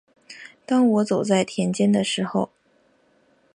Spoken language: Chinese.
当我走在田间的时候